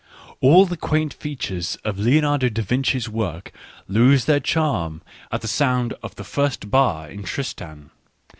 All the quaint features of Leonardo da Vinci's work lose their charm at the sound of the first bar in Tristan.